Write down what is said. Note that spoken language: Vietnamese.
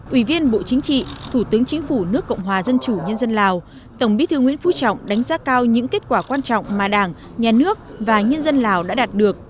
ủy viên bộ chính trị thủ tướng chính phủ nước cộng hòa dân chủ nhân dân lào tổng bí thư nguyễn phú trọng đánh giá cao những kết quả quan trọng mà đảng nhà nước và nhân dân lào đã đạt được